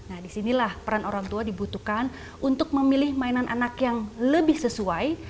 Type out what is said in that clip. nah disinilah peran orang tua dibutuhkan untuk memilih mainan anak yang lebih sesuai